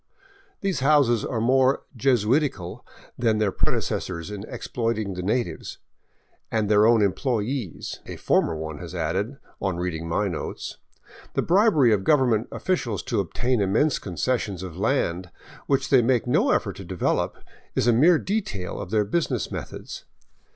These houses are more Jesuitical than their predecessors in exploit ing the natives —" and their own employees," a former one has added, on reading my notes. The bribery of government officials to obtain immense concessions of land which they make no effort to develop is a mere detail of their business methods.